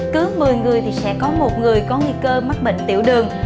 cứ một mươi người thì sẽ có một người có nguy cơ mắc bệnh tiểu đường